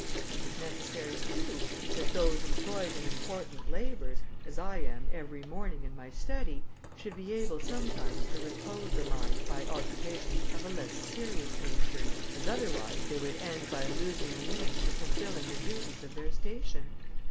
It is necessary, too, that those employed in important labours, as I am every morning in my study, should be able sometimes to repose the mind by occupations of a less serious nature, as otherwise they would end by losing the means of fulfilling the duties of their station.